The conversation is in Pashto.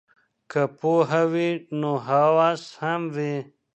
که پوهه وي نو هوس وي.